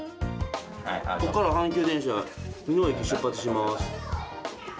ここから阪急電車箕面駅出発します。